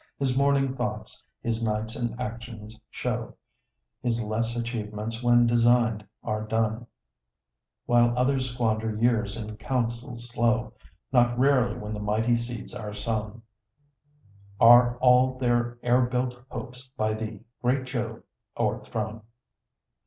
His morning thoughts his nights in actions show; His less achievements when designed are done While others squander years in counsels slow; Not rarely when the mighty seeds are sown, Are all their air built hopes by thee, great Jove, o'erthrown.